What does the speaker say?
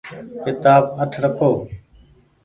ڪيتآب اٺ رکو ۔